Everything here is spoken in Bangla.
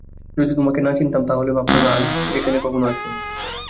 যদি তোমাকে না চিনতাম, তাহলে ভাবতাম আগে কখনো এখানে আসোনি।